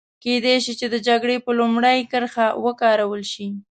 کېدای شي چې د جګړې په لومړۍ کرښه وکارول شي.